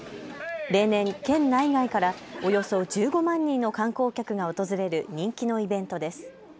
例年、県内外からおよそ１５万人の観光客が訪れる人気のイベントです。